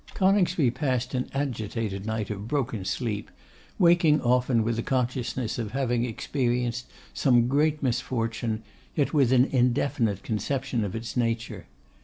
Coningsby passed an agitated night of broken sleep, waking often with a consciousness of having experienced some great misfortune, yet with an indefinite conception of its nature.